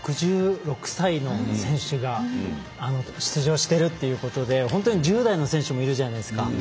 ６６歳の選手が出場してるってことで本当に、１０代の選手もいるじゃないですか。